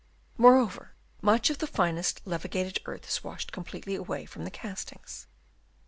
Moreover much of the finest levi gated earth is washed completely away from the castings.